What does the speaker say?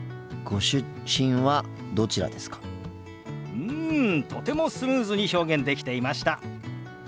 うんとてもスムーズに表現できていました。